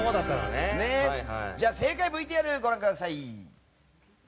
正解ＶＴＲご覧ください。